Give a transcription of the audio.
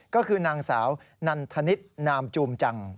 ก็คือนางสาวนันทนิษฐ์นามจูมจัง